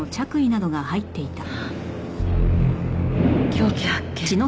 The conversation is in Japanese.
凶器発見。